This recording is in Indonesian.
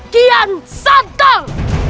kian santel